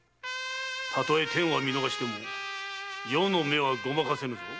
たとえ天は見逃しても余の目はごまかせぬぞ。